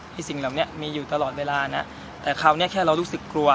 สิ่งเหล่านี้มีอยู่ตลอดเวลานะแต่คราวนี้แค่เรารู้สึกกลัว